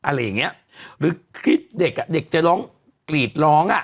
อะไรอย่างนี้หรือคลิปเด็กจะร้องกรีดร้อง